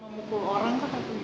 memukul orang kak